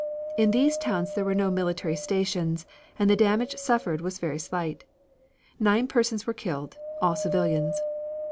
In these towns there were no military stations and the damage suffered was very slight. Nine persons were killed, all civilians.